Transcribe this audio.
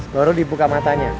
baru dibuka matanya